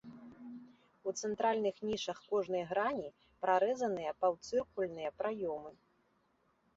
У цэнтральных нішах кожнай грані прарэзаныя паўцыркульныя праёмы.